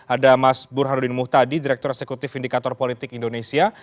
ada mas burhanuddin muhtadi direktur eksekutif indikator politik indonesia